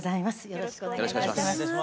よろしくお願いします。